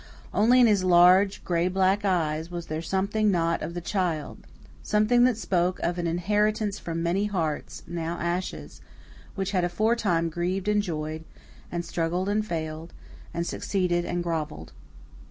Only in his large, gray black eyes was there something not of the child something that spoke of an inheritance from many hearts, now ashes, which had aforetime grieved and joyed, and struggled and failed, and succeeded and grovelled.